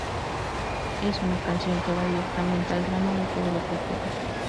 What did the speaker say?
Es una canción que va directamente al grano de todo lo que ocurre.